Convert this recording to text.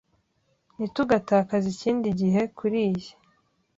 Ntitugatakaze ikindi gihe kuriyi